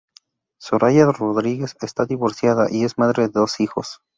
Soraya Rodríguez está divorciada y es madre de dos hijos.